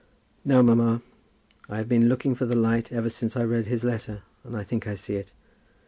"No, mamma, no. I have been looking for the light ever since I read his letter, and I think I see it.